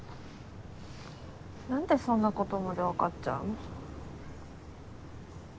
なんでそんなことまで分かっちゃうの？